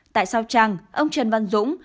tại sao trăng ông trần văn dũng